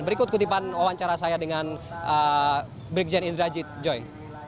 berikut kutipan wawancara saya dengan brigjen indrajit joy